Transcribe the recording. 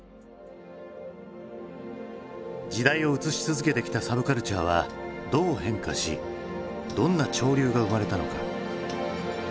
時代を映し続けてきたサブカルチャーはどう変化しどんな潮流が生まれたのか？